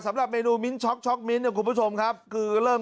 สำหรับเมนูช็อกช็อกมินต์ของคุณผู้ชมครับคือเริ่ม